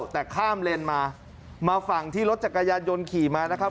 แต่ข้ามเลนมามาฝั่งที่รถจักรยานยนต์ขี่มานะครับ